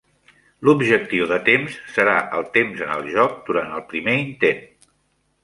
L'objectiu de temps serà el temps en el joc durant el primer intent.